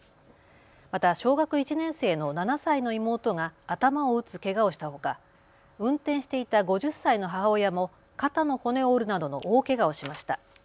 また小学１年生の７歳の妹が頭を打つけがをしたほか運転していた５０歳の母親も肩の骨を折るなどの大けがをしました。